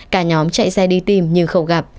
cả nhóm chạy xe đi tìm nhưng không gặp